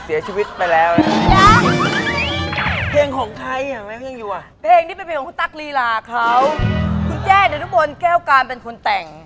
คุณแจ้ดนตรบนแก้วการเป็นคนแต่ง